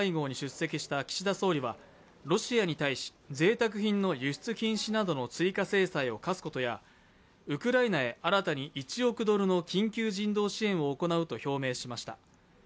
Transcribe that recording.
Ｇ７に出席した岸田総理はロシアに対し贅沢品などの輸出禁止の追加制裁を科すことやウクライナは新たに１億ドルの緊急人道支援を行うことを表明しました。